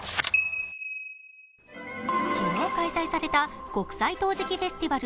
昨日開催された国際陶磁器フェスティバル